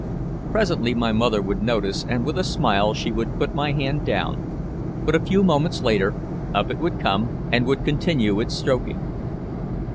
Presently my mother would notice and with a smile she would put down my hand, but a few moments later up it would come and would continue its stroking.